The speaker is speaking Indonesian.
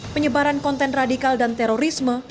penyebaran konten radikal dan terorisme